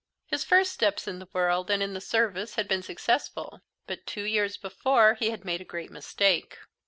His first steps in the world and in the service had been successful, but two years before he had made a great mistake.